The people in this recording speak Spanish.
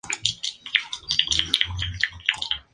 Todos lo experimentamos alguna vez.